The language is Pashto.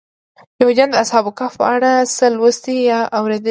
یهودیان د اصحاب کهف په اړه څه لوستي یا اورېدلي.